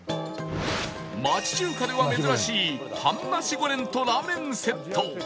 町中華では珍しい半ナシゴレンとラーメンセット